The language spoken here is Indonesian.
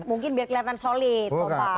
mungkin biar kelihatan solid